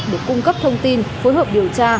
để cung cấp thông tin phối hợp điều tra